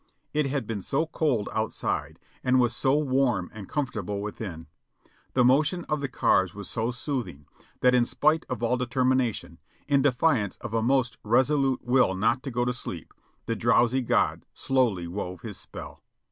It had been so cold outside, and was so warm and comfortable within ; the motion of the cars was so soothing, that in spite of all determination, in defiance of a most resolute will not to go to sleep, the drowsy god slowly wove his spell.